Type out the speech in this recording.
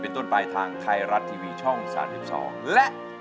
เป็นต้นปลายทางไทยรัดทีวีช่อง๓๒และ